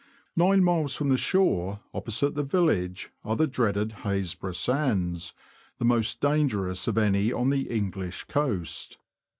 Nine miles from the shore, opposite the village, are the dreaded Haisbro' Sands, the most dangerous of any on the English coast.